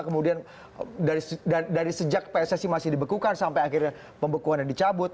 kemudian dari sejak pssi masih dibekukan sampai akhirnya pembekuannya dicabut